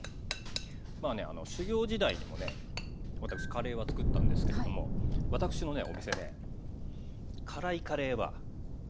修業時代にもね私カレーは作ったんですけれども私のねお店ね辛いカレーは禁止だったんですよ。